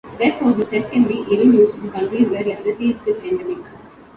Therefore, this test can be even used in countries where leprosy is still endemic.